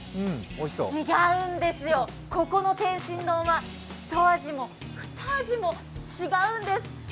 違うんですよ、ここの天津丼はひと味もふた味も違うんです。